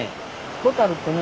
ホタルってね